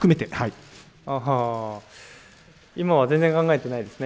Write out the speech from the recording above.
あー、今は全然考えてないですね。